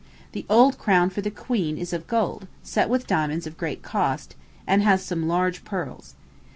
The old crown for the queen is of gold, set with diamonds of great cost, and has some large pearls.